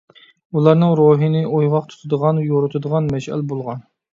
ئۇلارنىڭ روھىنى ئويغاق تۇتىدىغان، يورۇتىدىغان مەشئەل بولغان.